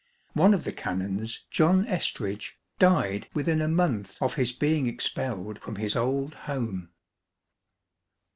One of the canons, John Estrige, died within a month of his being expelled from his old home.